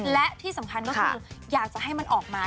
และที่สำคัญก็คืออยากจะให้มันออกมา